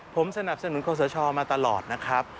ผมสนับสนุนคอสชมาตลอดนะครับ